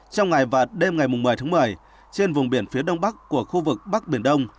trong ngày và đêm ngày một mươi tháng một mươi trên vùng biển phía đông bắc của khu vực bắc biển đông